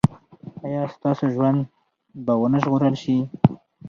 ایا ستاسو ژوند به و نه ژغورل شي؟